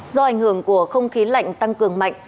do ảnh hưởng của không khí lạnh tăng cường mạnh